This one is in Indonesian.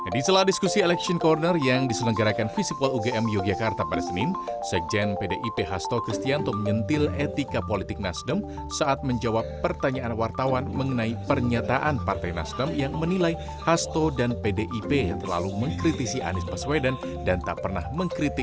di sela diskusi election corner yang diselenggarakan visipol ugm yogyakarta pada senin sekjen pdip hasto kristianto menyentil etika politik nasdem saat menjawab pertanyaan wartawan mengenai pernyataan partai nasdem yang menilai hasto dan pdip terlalu mengkritisi anies baswedan dan tak pernah mengkritik